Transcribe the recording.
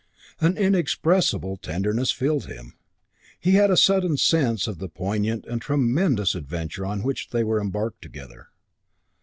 An inexpressible tenderness filled him. He had a sudden sense of the poignant and tremendous adventure on which they were embarked together.